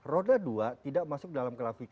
roda dua tidak masuk dalam grafik